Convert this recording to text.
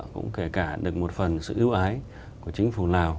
cũng kể cả được một phần sự ưu ái của chính phủ lào